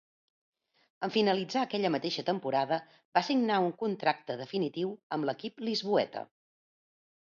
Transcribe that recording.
En finalitzar aquella mateixa temporada va signar un contracte definitiu amb l'equip lisboeta.